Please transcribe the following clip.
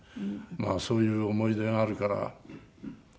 まあそういう思い出があるから。